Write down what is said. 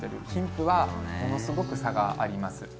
貧富はものすごく差があります。